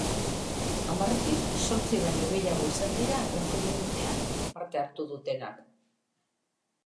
Hamarretik zortzi baino gehiago izan dira erreferendumean parte hartu dutenak.